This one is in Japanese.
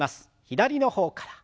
左の方から。